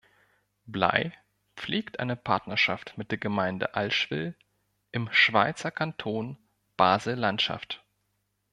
Blaj pflegt eine Partnerschaft mit der Gemeinde Allschwil im Schweizer Kanton Basel-Landschaft.